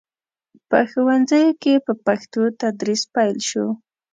په ښوونځیو کې په پښتو تدریس پیل شو.